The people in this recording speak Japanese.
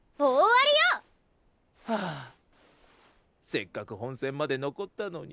せっかく本戦まで残ったのに。